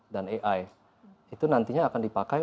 dan ai itu nantinya akan dipakai